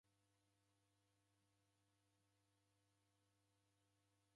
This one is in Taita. Dikakalomba dadatungura.